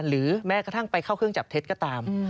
หรือแม้กระทั่งไปเข้าเครื่องจับเท็จก็ตาม